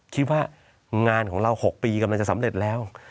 คิดว่างานของเรา๖ปีกำลังจะสำเร็จแล้ว